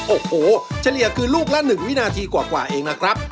โอ้โหเฉลี่ยคือลูกละ๑วินาทีกว่าเองนะครับ